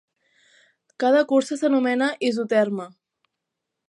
Cada cursa s'anomena isoterma.